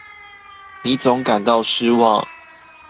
你總感到失望